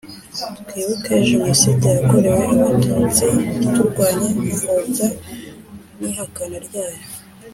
Twibuke Jenoside yakorewe Abatutsi turwanya ipfobya n ihakana ryayo